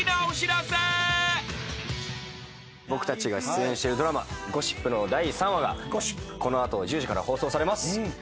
僕たちが出演しているドラマ『ゴシップ』の第３話がこの後１０時から放送されます。